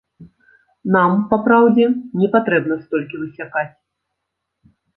Нам, па праўдзе, не патрэбна столькі высякаць.